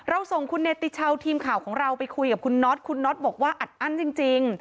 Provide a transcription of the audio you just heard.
ส่งคุณเนติชาวทีมข่าวของเราไปคุยกับคุณน็อตคุณน็อตบอกว่าอัดอั้นจริง